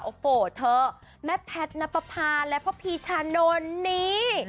โอ้โหเธอแม่แพทย์นับประพาและพ่อพีชานนท์นี้